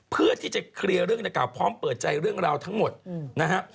เพื่อที่จะเคลียร์เรื่องดังกล่าพร้อมเปิดใจเรื่องราวทั้งหมดนะฮะ